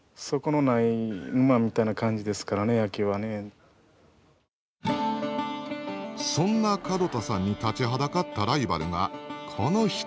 とにかくあのそんな門田さんに立ちはだかったライバルがこの人。